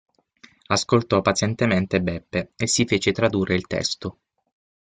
Ascoltò pazientemente Beppe, e si fece tradurre il testo.